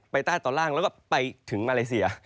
ไปใต้ตอนล่างแล้วก็ไปถึงมาเลเซีย